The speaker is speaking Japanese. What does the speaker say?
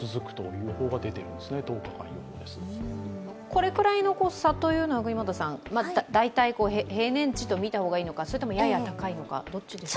これくらいの差というのは、大体平年値とみた方がいいのかそれとも、やや高いのか、どっちですか。